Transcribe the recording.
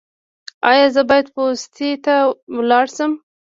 ایا زه باید پوستې ته لاړ شم؟